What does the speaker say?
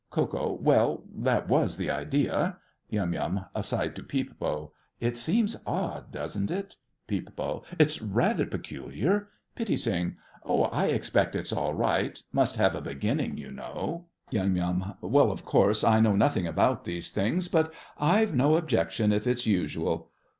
KO. Well, that was the idea. YUM (aside to Peep Bo). It seems odd, doesn't it? PEEP. It's rather peculiar. PITTI. Oh, I expect it's all right. Must have a beginning, you know. YUM. Well, of course I know nothing about these things; but I've no objection if it's usual.